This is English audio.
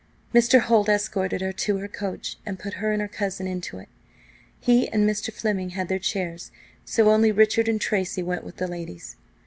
Mr. Holt escorted her to her coach, and put her and her cousin into it. He and Mr. Fleming had their chairs; so only Richard and Tracy went with the ladies.